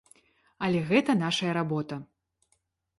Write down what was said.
Але гэта нашая работа.